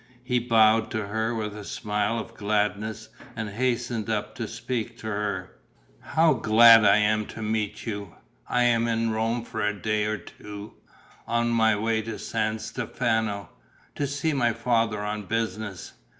He bowed to her with a smile of gladness and hastened up to speak to her: "How glad I am to meet you! I am in Rome for a day or two, on my way to San Stefano, to see my father on business.